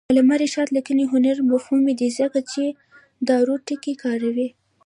د علامه رشاد لیکنی هنر مهم دی ځکه چې دارو ټکي کاروي.